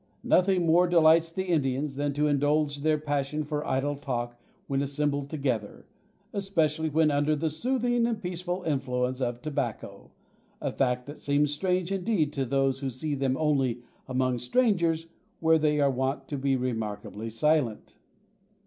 Nothing more delights the Indians than to indulge their passion for idle talk when assembled together, especially when under the soothing and peaceful influence of tobacco,—a fact that seems strange indeed to those who see them only among strangers, where they are wont to be remarkably silent.